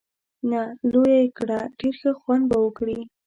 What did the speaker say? نه، لویه یې کړه، ډېر ښه خوند به وکړي.